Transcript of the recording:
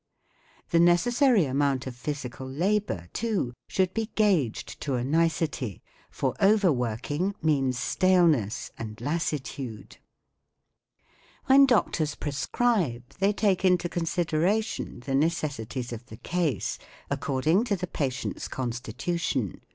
The necessary amount of physical labour, too, should be gauged to a nicety* for over working means J< staleness M and lassitude. When doctors prescribe, they take into con¬ sideration the necessities of the case, according to the patient's constitution.